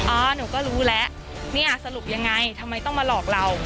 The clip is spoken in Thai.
อ๋อหนูก็รู้แล้วเนี่ยสรุปยังไงทำไมต้องมาหลอกเรา